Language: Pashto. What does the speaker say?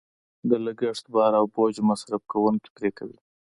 د لګښت بار او بوج مصرف کوونکې پرې کوي.